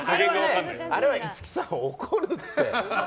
あれは五木さん怒るって。